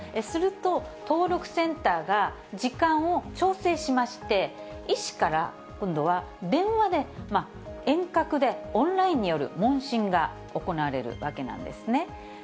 すると、登録センターが時間を調整しまして、医師から今度は電話で、遠隔でオンラインによる問診が行われるわけなんですね。